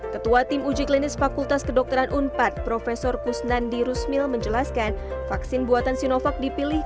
ketua tim uji klinis fakultas kedokteran unpad prof kusnandi rusmil menjelaskan vaksin buatan sinovac dipilih